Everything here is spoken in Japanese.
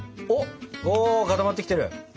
お固まってきてる！